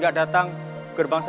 ya udah gak apa apa